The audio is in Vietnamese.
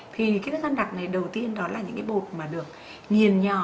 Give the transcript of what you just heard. thì cái thức ăn đặc này đầu tiên đó là những cái bột mà được nhìn nhỏ